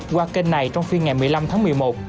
qua kênh này trong phiên ngày một mươi năm tháng một mươi một